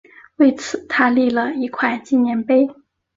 为此他立了一块纪念碑。